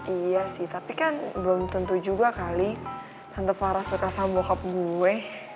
iya sih tapi kan belum tentu juga kali tante farah suka sama hop gue